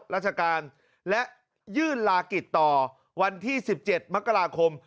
ราชการและยื่นลากิจต่อวันที่๑๗มกราคม